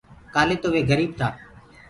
ڪآلي تو وي گريٚب تا۔